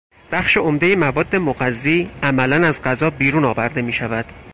بخش عمدهی مواد مغذی عملا از غذا بیرون آورده میشود.